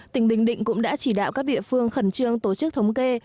tỉnh bình định cũng đã chỉ đạo các địa phương khẩn trương tổ chức thống kê